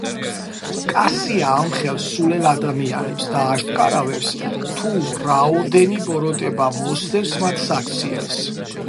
კასია ამხელს სულელ ადამიანებს და ააშკარავებს, თუ რაოდენი ბოროტება მოსდევს მათ საქციელს.